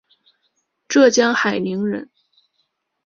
浙江海宁人。